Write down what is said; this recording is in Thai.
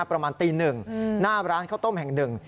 ประมาณตีหนึ่งหน้าร้านข้าวต้มแห่งหนึ่ง